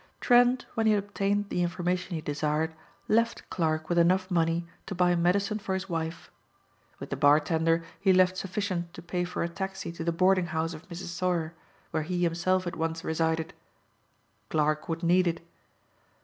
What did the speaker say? Trent, when he had obtained the information he desired, left Clarke with enough money to buy medicine for his wife. With the bartender he left sufficient to pay for a taxi to the boarding house of Mrs. Sauer, where he himself had once resided. Clarke would need it.